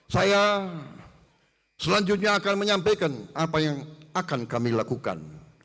saya selanjutnya akan menyampaikan apa yang akan kami lakukan